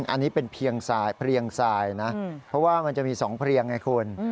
อันนี้เป็นเพียงทรายนะเพราะว่ามันจะมี๒เพลียงไงคุณ